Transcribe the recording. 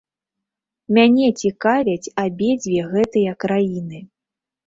Мяне цікавяць абедзве гэтыя краіны.